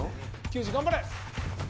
球児頑張れ！